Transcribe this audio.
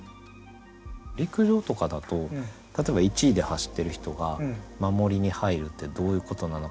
陸上とかだと例えば１位で走ってる人が守りに入るってどういうことなのかなって。